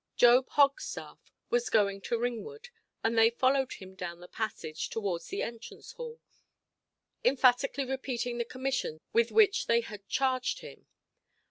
Job Hogstaff was going to Ringwood, and they followed him down the passage towards the entrance–hall, emphatically repeating the commissions with which they had charged him.